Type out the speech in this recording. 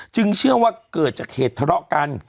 เชื่อว่าเกิดจากเหตุทะเลาะกัน